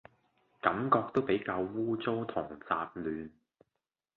感覺都比較污糟同雜亂